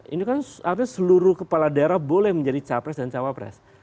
ini kan artinya seluruh kepala daerah boleh menjadi capres dan cawapres